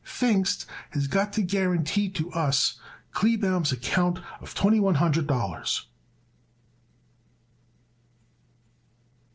Pfingst has got to guarantee to us Kleebaum's account of twenty one hundred dollars."